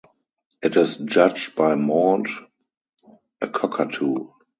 It is judged by Maude, a cockatoo.